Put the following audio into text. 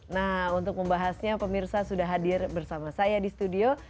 nah untuk membahasnya pemirsa sudah hadir bersama saya di studio